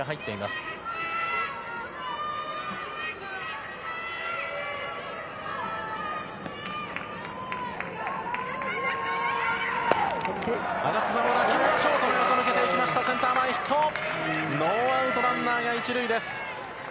ノーアウト、ランナーが１塁です。